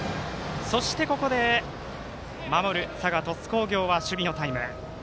そして、守る佐賀、鳥栖工業は守備のタイム。